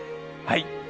はい。